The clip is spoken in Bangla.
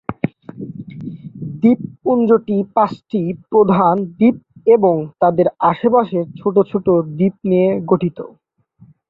দ্বীপপুঞ্জটি পাঁচটি প্রধান দ্বীপ এবং তাদের আশেপাশের ছোট ছোট দ্বীপ নিয়ে গঠিত।